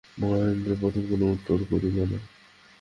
মহেন্দ্র প্রথমে কোনো উত্তর করিল না।